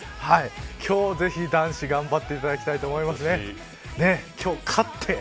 今日、ぜひ男子頑張っていただきたいと思います。